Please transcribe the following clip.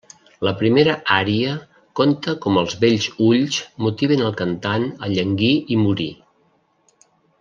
La primera ària conta com els bells ulls motiven el cantant a llanguir i morir.